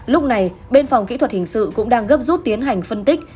lúc này bên phòng kỹ thuật hình sự cũng đang gấp rút tiến hành phân tích